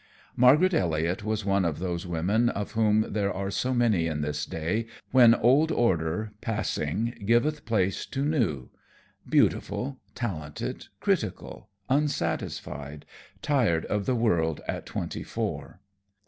Margaret Elliot was one of those women of whom there are so many in this day, when old order, passing, giveth place to new; beautiful, talented, critical, unsatisfied, tired of the world at twenty four.